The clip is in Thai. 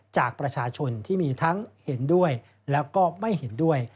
จากประชาชนที่มีทั้งเห็นด้วยแล้วก็ไม่เห็นด้วย